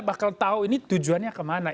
bakal tahu ini tujuannya kemana